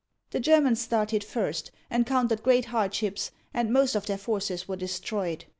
The Germans started first, encountered great hardships, and most of their forces were destroyed.